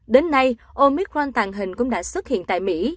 đến nay omicron tàng hình cũng đã xuất hiện tại mỹ